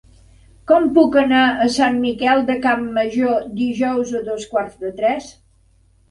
Com puc anar a Sant Miquel de Campmajor dijous a dos quarts de tres?